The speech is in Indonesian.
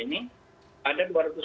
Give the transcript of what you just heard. dua ribu dua puluh ini ada